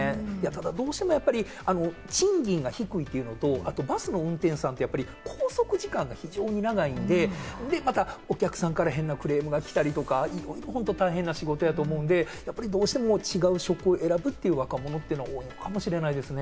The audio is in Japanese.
どうしてもやっぱり賃金が低いというのと、あとバスの運転手さんって拘束時間が非常に長いんで、またお客さんから変なクレームが来たりとか、いろいろ本当、大変な仕事やと思うんで、どうしても違う職を選ぶという方が多いのかもしれないですね。